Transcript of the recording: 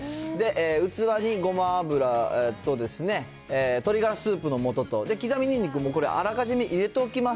器にごま油と鶏がらスープのもとと、刻みニンニクもこれ、あらかじめ入れておきます。